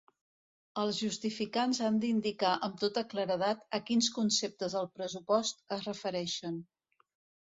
Els justificants han d'indicar amb tota claredat a quins conceptes del pressupost es refereixen.